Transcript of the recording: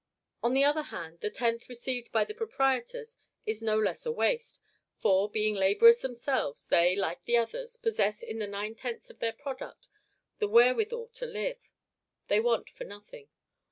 On the other hand, the tenth received by the proprietors is no less a waste; for, being laborers themselves, they, like the others, possess in the nine tenths of their product the wherewithal to live: they want for nothing.